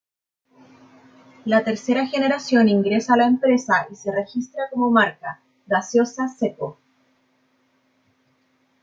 La tercera generación ingresa a la empresa y se registra como marca: Gaseosa Secco.